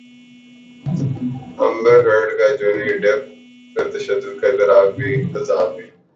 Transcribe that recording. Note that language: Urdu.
امبر ہرڈ کا جونی ڈیپ پر تشدد کا اعتراف بھی الزام بھی